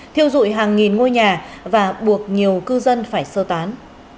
thiêu dụi hàng nghìn ngôi nhà và buộc nhiều cư dân phải sơ tán